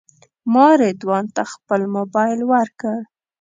ما رضوان ته خپل موبایل ورکړ.